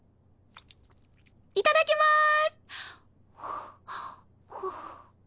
いただきまーす！